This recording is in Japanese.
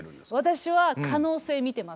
私は可能性見てます。